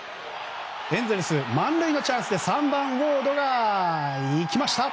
エンゼルス、満塁でのチャンスで３番、ウォードがいきました。